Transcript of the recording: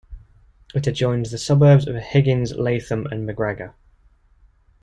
It adjoins the suburbs of Higgins, Latham and Macgregor.